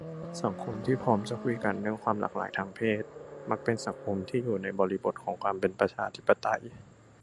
สังคมที่พร้อมจะคุยกันเรื่องความหลากหลายทางเพศ มักเป็นสังคมที่อยู่ในบริบทของความเป็นประชาธิปไตย